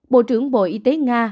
bộ trưởng bộ y tế nga